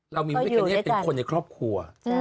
เรามีพิกาเนธเป็นคนในครอบครัว